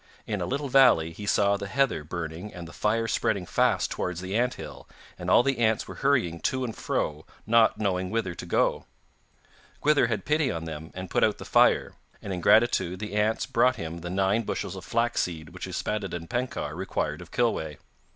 In a little valley he saw the heather burning and the fire spreading fast towards the anthill, and all the ants were hurrying to and fro, not knowing whither to go. Gwythyr had pity on them, and put out the fire, and in gratitude the ants brought him the nine bushels of flax seed which Yspaddaden Penkawr required of Kilweh.